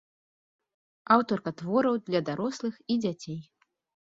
Аўтарка твораў для дарослых і дзяцей.